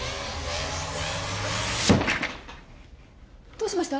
どうしました？